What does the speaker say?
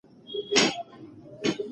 که ډبلي وي نو درمل نه خرابېږي.